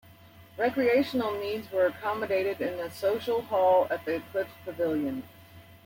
Recreational needs were accommodated in a social hall and the Eclipse Pavilion.